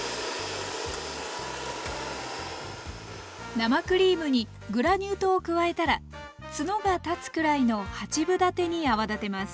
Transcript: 生クリームにグラニュー糖を加えたらツノが立つくらいの八分立てに泡立てます。